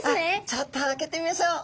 ちょっと開けてみましょう！